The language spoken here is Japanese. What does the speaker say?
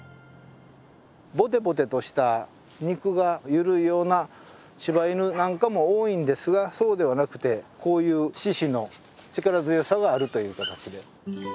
ぼてぼてとした肉が緩いような柴犬なんかも多いんですがそうではなくてこういう四肢の力強さがあるという形で。